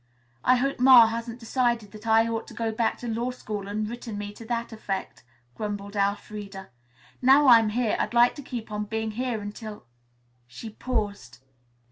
"I hope Ma hasn't decided that I ought to go back to law school and written me to that effect," grumbled Elfreda. "Now I am here, I'd like to keep on being here until " She paused.